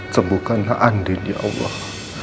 sembuhkanlah andin ya allah